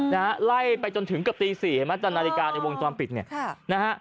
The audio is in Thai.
นะฮะไล่ไปจนถึงเกือบตีสี่เห็นไหมจากนาฬิกาในวงจรปิดเนี่ยค่ะนะฮะ